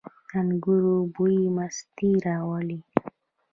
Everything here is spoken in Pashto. د انګورو بوی مستي راوړي.